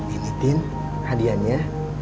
ini tin hadiahnya